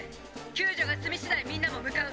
救助が済み次第みんなも向かう」。